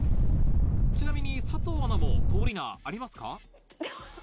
ちなみに佐藤アナも通り名ありますか？